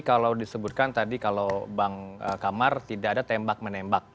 kalau disebutkan tadi kalau bang kamar tidak ada tembak menembak